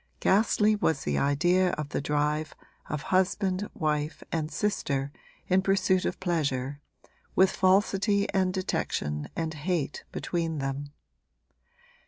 Ghastly was the idea of the drive of husband, wife and sister in pursuit of pleasure, with falsity and detection and hate between them.